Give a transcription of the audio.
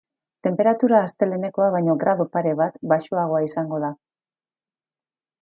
Tenperatura astelehenekoa baino gradu pare bat baxuagoa izango da.